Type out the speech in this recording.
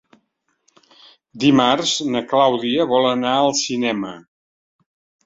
Dimarts na Clàudia vol anar al cinema.